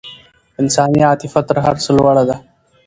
انساني عاطفه تر هر څه لوړه ده.